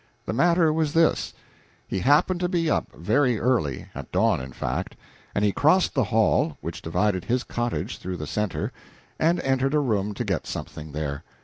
The matter was this: He happened to be up very early at dawn, in fact; and he crossed the hall which divided his cottage through the center, and entered a room to get something there.